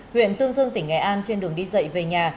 huyện tương dương tỉnh nghệ an trên đường đi dậy về nhà